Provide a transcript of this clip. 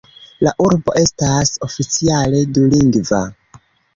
La urbo estas oficiale dulingva.